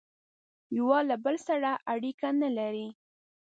یوه له بل سره اړیکي نه لري